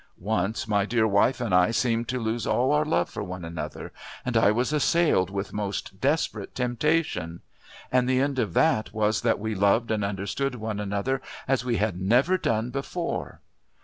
Once my dear wife and I seemed to lose all our love for one another, and I was assailed with most desperate temptation and the end of that was that we loved and understood one another as we had never done before.